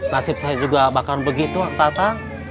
nasib saya juga bakalan begitu pak tata